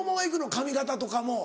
髪形とかも。